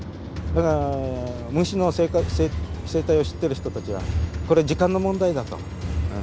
ただ虫の生態を知ってる人たちはこれ時間の問題だと。